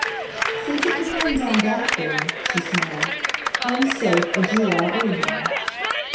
"Since it depends on that then," she smiled, "I'm safe as you are anyhow.